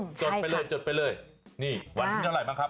ไปเลยวันที่เยอะไหร่บ้างครับ